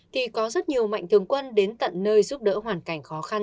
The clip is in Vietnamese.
thì có rất nhiều mạnh thường quân đến tận nơi giúp đỡ hoàn cảnh khó khăn